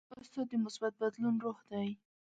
استاد د مثبت بدلون روح دی.